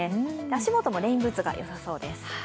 足元もレインブーツがよさそうです。